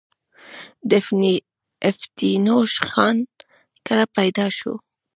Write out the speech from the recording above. د افتينوش خان کره پيدا شو